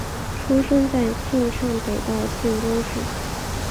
出生在庆尚北道庆州市。